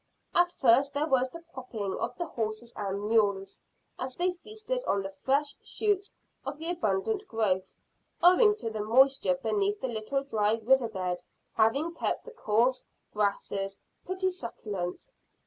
At first there was the cropping of the horses and mules, as they feasted on the fresh shoots of the abundant growth, owing to the moisture beneath the little dry river bed having kept the coarse grasses pretty succulent.